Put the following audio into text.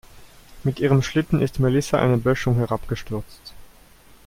Mit ihrem Schlitten ist Melissa eine Böschung herabgestürzt.